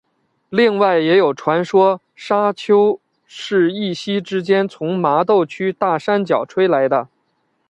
另外也有传说砂丘是一夕之间从麻豆区大山脚吹来的。